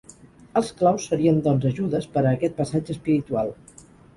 Els claus serien doncs ajudes per a aquest passatge espiritual.